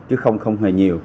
chứ không hề nhiều